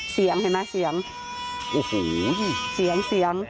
เสียงเห็นมั้ยเสียง